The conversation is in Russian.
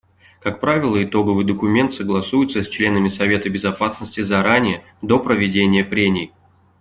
Как правило, итоговый документ согласуется с членами Совета Безопасности заранее, до проведения прений.